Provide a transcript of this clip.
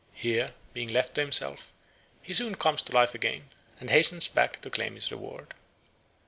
Here, being left to himself, he soon comes to life again, and hastens back to claim his reward.